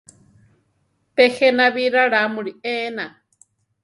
Pe jéna bi ralamuli ená.